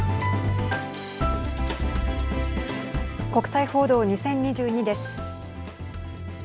国際報道２０２２です。